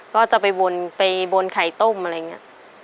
ก็จะไปวนไปวนไข่ต้มอะไรอย่างนี้